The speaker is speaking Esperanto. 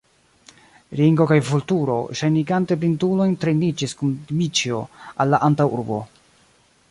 Ringo kaj Vulturo, ŝajnigante blindulojn, treniĝis kun Dmiĉjo al la antaŭurbo.